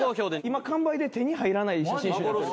・完売で手に入らない写真集。